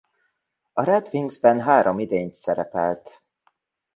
A Red Wingsben három idényt szerepelt.